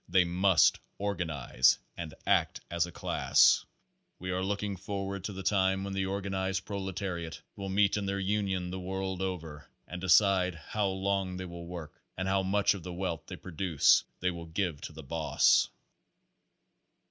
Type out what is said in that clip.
They must organize and act as a class. We are looking forward to the time when the or ganized proletariat will meet in their union the world over "and decide how long they will work and how much of the wealth they produce they will give to the boss."